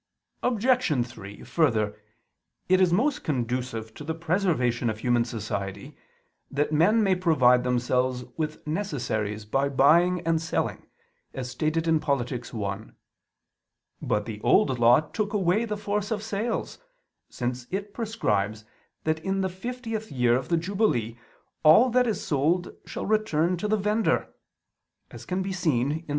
Obj. 3: Further, it is most conducive to the preservation of human society that men may provide themselves with necessaries by buying and selling, as stated in Polit. i. But the Old Law took away the force of sales; since it prescribes that in the 50th year of the jubilee all that is sold shall return to the vendor (Lev.